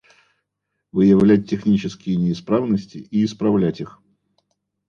Выявлять технические неисправности и исправлять их